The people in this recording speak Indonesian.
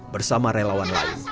bersama relawan lain